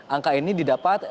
angka ini didapat